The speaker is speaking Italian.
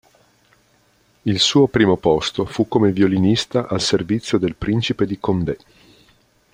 Il suo primo posto fu come violinista al servizio del Principe di Condé.